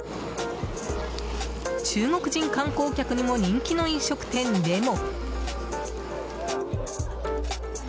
中国人観光客にも人気の飲食店でも。